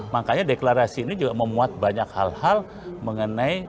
makanya deklarasi ini juga memuat banyak hal hal mengenai peningkatan international law